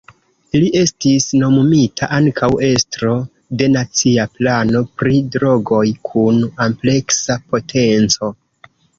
Li estis nomumita ankaŭ estro de Nacia Plano pri Drogoj kun ampleksa potenco.